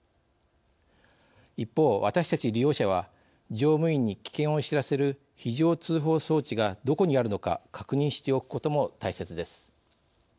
一方、私たち利用者は乗務員に危険を知らせる非常通報装置が、どこにあるのか確認しておくことも大切です。